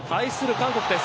韓国です。